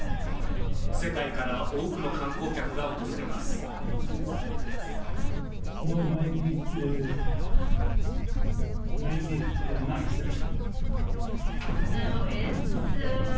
世界から多くの観光客が訪れます。